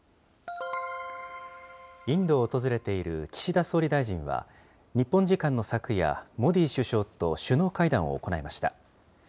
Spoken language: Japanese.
インドを訪れている岸田総理大臣は、日本時間の昨夜、モディ首相と首脳会談を行いました。